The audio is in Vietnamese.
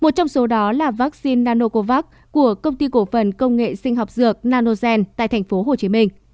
một trong số đó là vaccine nanocovax của công ty cổ phần công nghệ sinh học dược nanogen tại tp hcm